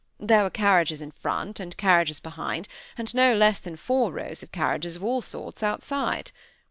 There were carriages in front, and carriages behind, and no less than four rows of carriages, of all sorts, outside.